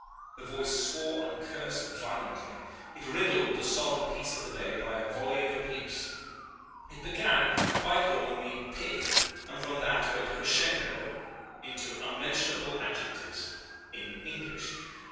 The voice swore and cursed violently; it riddled the solemn peace of the bay by a volley of abuse. It began by calling me Pig, and from that went crescendo into unmentionable adjectives in English.